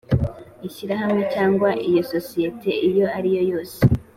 Ishyirahamwe cyangwa isosiyete iyo ariyo yose